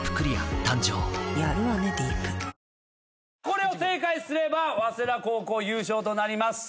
これを正解すれば早稲田高校優勝となります。